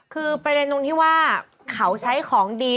คือเป็นแผนตัวที่ว่าเขาใช้ของดี